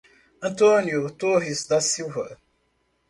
Antônio Torres da Silva